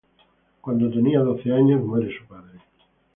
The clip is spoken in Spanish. Cuando tenía doce años muere su padre.